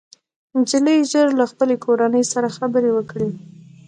نجلۍ ژر له خپلې کورنۍ سره خبرې وکړې